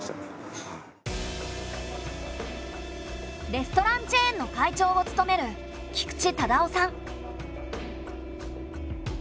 レストランチェーンの会長を務める菊地唯夫さん。